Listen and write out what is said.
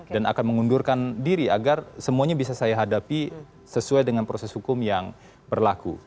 dan akan mengundurkan diri agar semuanya bisa saya hadapi sesuai dengan proses hukum yang berlaku